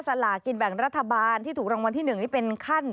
สลากินแบ่งรัฐบาลที่ถูกรางวัลที่๑นี่เป็นขั้น